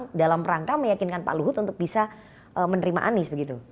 dalam rangka meyakinkan pak luhut untuk bisa menerima anies begitu